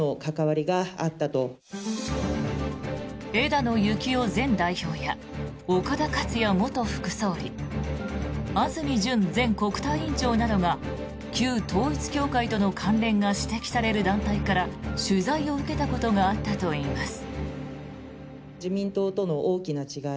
枝野幸男前代表や岡田克也元副総理安住淳前国対委員長などが旧統一教会との関連が指摘される団体から取材を受けたことがあったといいます。